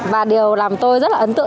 và điều làm tôi rất là ấn tượng